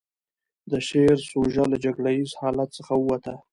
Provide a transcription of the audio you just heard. د شعر سوژه له جګړه ييز حالت څخه ووته.